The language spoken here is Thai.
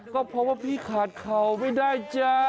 ก็เพราะว่าพี่ขาดเข่าไม่ได้จ้า